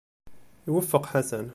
Iwufeq Ḥasan.